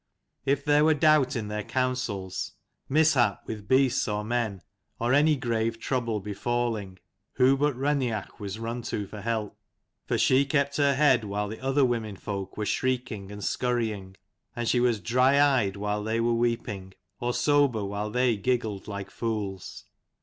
If there were doubt in their counsels, mishap with beasts or men, or any grave trouble befalling, who but Raineach was run to for help : for she kept her head, while the other women folk were shrieking and scurrying ; and she was dry eyed while they were weeping ; or sober while they giggled like fools.